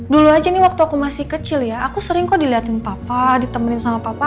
dulu aja nih waktu aku masih kecil ya aku sering kok dilihatin papa ditemenin sama papa